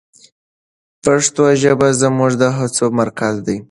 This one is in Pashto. پښتو ژبه زموږ د هڅو مرکز ده.